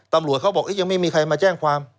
ตำรวจเขาบอกยังไม่มีใครมาแจ้งความ